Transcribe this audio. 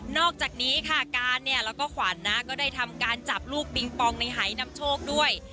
อกจากนี้ค่ะการเนี่ยแล้วก็ขวัญนะก็ได้ทำการจับลูกปิงปองในหายนำโชคด้วย